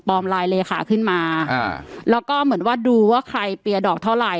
ไลน์เลขาขึ้นมาอ่าแล้วก็เหมือนว่าดูว่าใครเปียดอกเท่าไหร่